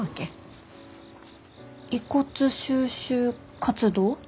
遺骨収集活動？